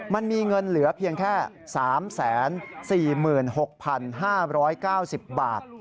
มันมีเงินเหลือเพียงแค่๓๔๖๕๙๐บาท